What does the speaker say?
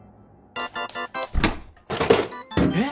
えっ？